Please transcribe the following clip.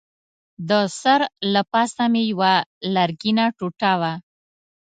د سر له پاسه مې یوه لرګینه ټوټه وه.